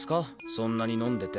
そんなに飲んでて。